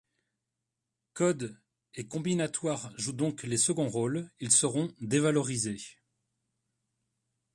Code et combinatoire jouent donc les seconds rôles, ils seront dévalorisés.